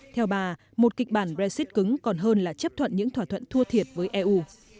theo bà một kịch bản brexit cứng còn hơn là chấp thuận những thỏa thuận thua thiệt với eu